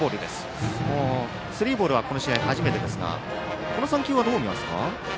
スリーボールはこの試合初めてですがこの３球、どう見ますか？